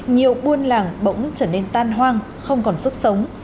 nhiều buôn làng bỗng trở nên tan hoang không còn sức sống